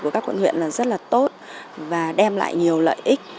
của các quận huyện rất là tốt và đem lại nhiều lợi ích